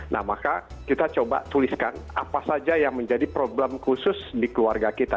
nah maka kita coba tuliskan apa saja yang menjadi problem khusus di keluarga kita